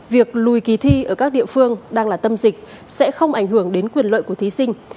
việc lùi kỳ thi ở các địa phương đang là tâm dịch sẽ không ảnh hưởng đến quyền lợi của thí sinh